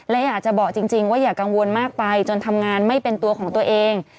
และอยากจะบอกจริงว่าอย่ากังวลมากไปจนทำงานไม่เป็นตัวของตัวเอง